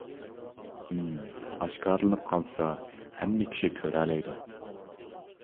ئىم ئاشكارىلىنىپ قالسا ھەممە كىشى كۆرەلەيدۇ.